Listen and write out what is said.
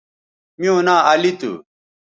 میوں ناں علی تھو